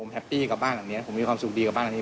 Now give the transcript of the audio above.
แฮปปี้กับบ้านแบบนี้ผมมีความสุขดีกับบ้านอันนี้